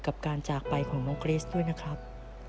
กับการจากไปของน้องเกรสด้วยนะครับ